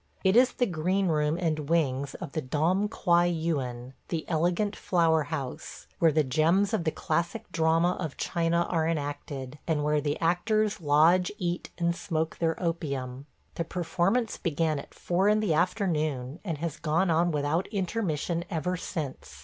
It is the green room and wings of the Dom Quai Yuen – The Elegant Flower House – where the gems of the classic drama of China are enacted, and where the actors lodge, eat, and smoke their opium. The performance began at four in the afternoon, and has gone on without intermission ever since.